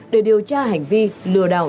để điều tra hành vi lừa đảo